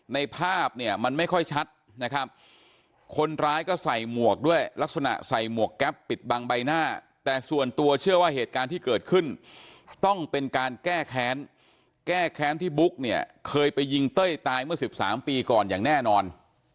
ภาพเนี่ยมันไม่ค่อยชัดนะครับคนร้ายก็ใส่หมวกด้วยลักษณะใส่หมวกแก๊ปปิดบังใบหน้าแต่ส่วนตัวเชื่อว่าเหตุการณ์ที่เกิดขึ้นต้องเป็นการแก้แค้นแก้แค้นที่บุ๊กเนี่ยเคยไปยิงเต้ยตายเมื่อ๑๓ปีก่อนอย่างแน่นอน